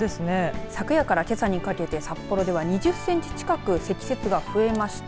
昨夜から、けさにかけて札幌では２０センチ近く積雪が増えました。